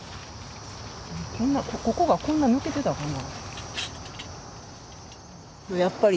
ここがこんな抜けてたかな。